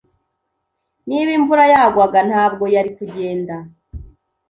Niba imvura yagwaga, ntabwo yari kugenda.